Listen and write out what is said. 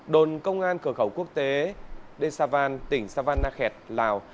đồn công an cửa khẩu quốc tế desavan tỉnh savanakhet lào